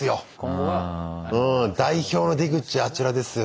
代表の「出口あちらですよ」